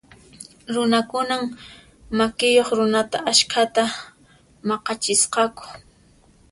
Runakunan makiyuq runata askhata maq'achisqaku.